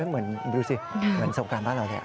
เหมือนสมการบ้านบ้านเราแหละ